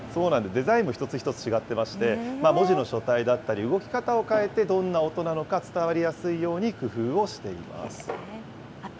デザインも一つ一つ違ってまして、文字の書体だったり、動き方を変えてどんな音なのか伝わりやすいように工夫をしています。